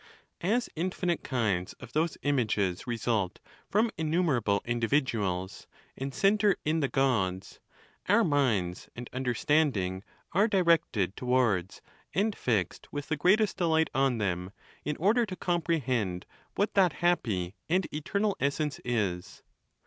As infinite kinds of those images I'esult from innumerable individuals, and centre in the Gods, our minds and understanding are directed towards and fixed with the greatest delight on them, in order to comprehend what that happy and eternal essence is.